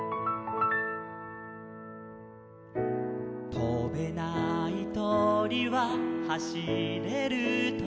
「とべないとりははしれるとり」